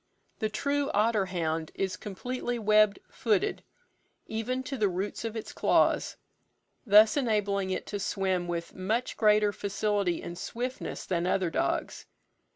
The true otter hound is completely web footed, even to the roots of its claws; thus enabling it to swim with much greater facility and swiftness than other dogs.